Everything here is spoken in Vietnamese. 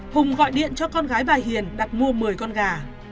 hùng gọi điện cho con gái bà hiền đặt mua một mươi con gà